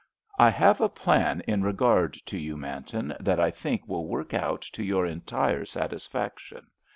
"I have a plan in regard to you, Manton, that I think will work out to your entire satisfaction.